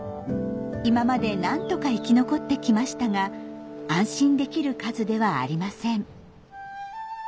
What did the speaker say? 今までなんとか生き残ってきましたが安心できる数ではありません。